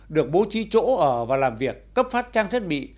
được bố trí chỗ ở và làm việc cấp phát trang thiết bị